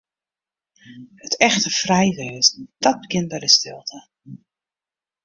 It echte frij wêzen, dat begjint by de stilte.